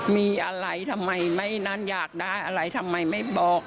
มีอะไรทำไมไม่นั้นอยากได้อะไรทำไมไม่บอก